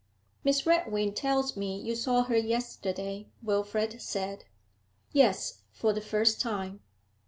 'Miss Redwing tells me you saw her yesterday,' Wilfrid said. 'Yes, for the first time.'